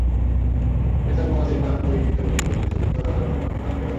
Pacer Mohammad Irfan খুবই কিপ্টে bowling করলেন, সতীর্থরা যখন রান দেওয়ার মিছিলে।